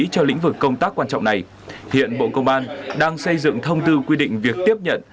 cho lĩnh vực công tác quan trọng này hiện bộ công an đang xây dựng thông tư quy định việc tiếp nhận